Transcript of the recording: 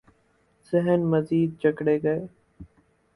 ذہن مزید جکڑے گئے۔